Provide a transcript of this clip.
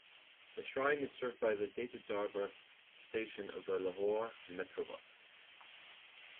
The shrine is served by the "Data Darbar" station of the Lahore Metrobus.